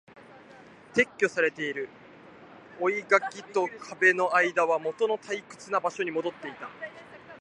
撤去されている。生垣と壁の間はもとの退屈な場所に戻っていた。